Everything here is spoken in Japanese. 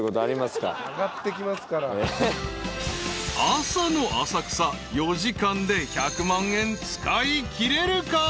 ［朝の浅草４時間で１００万円使いきれるか？］